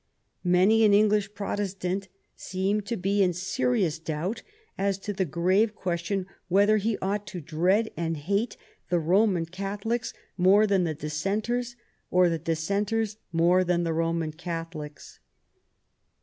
Many an English Protestant seemed to be in serious doubt as to the grave question whether he ought to dread and hate the Roman Catholics more than the Dissenters, or the Dissenters more than the Roman Catholics.